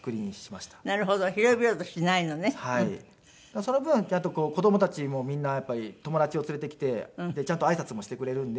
その分ちゃんと子供たちもみんなやっぱり友達を連れてきてちゃんと挨拶もしてくれるんで。